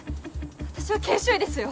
私は研修医ですよ